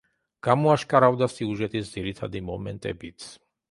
გამოაშკარავდა სიუჟეტის ძირითადი მომენტებიც.